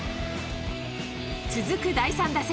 続く第３打席。